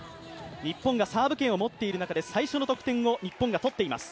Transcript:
日本がサーブ権を持っている中で、最初の得点を日本が取っています。